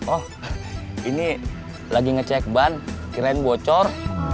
oh ini lagi ngecek ban kirain bocor